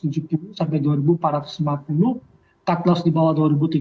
cut loss di bawah dua ribu tiga ratus